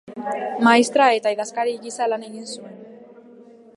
Maistra eta idazkari gisa lan egin zuen.